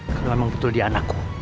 kalau memang betul dia anakku